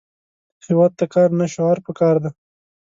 هیواد ته کار، نه شعار پکار دی